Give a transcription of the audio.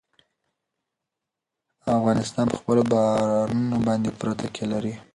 افغانستان په خپلو بارانونو باندې پوره تکیه لري.